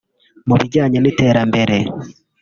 mu bijyanye n’iterambere